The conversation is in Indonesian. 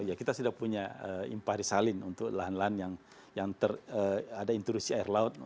ya kita sudah punya impagri salin untuk lahan lahan yang yang terada intrusi air laut